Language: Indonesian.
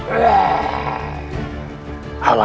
bisa menemui ayah mereka